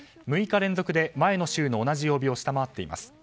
６日連続で前の週の同じ曜日を下回っています。